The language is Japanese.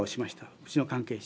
うちの関係者。